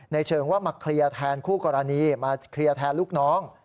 เชิงว่ามาเคลียร์แทนคู่กรณีมาเคลียร์แทนลูกน้อง